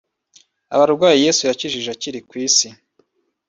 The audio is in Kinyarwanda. Abarwayi Yesu yakijije akiri ku isi